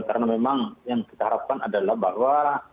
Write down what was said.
karena memang yang kita harapkan adalah bahwa